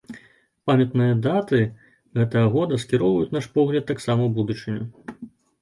Памятныя даты гэтага года скіроўваюць наш погляд таксама ў будучыню.